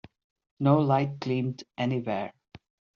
No light gleamed anywhere.